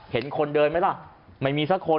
เห็นคนเดินไหมล่ะไม่มีสักคน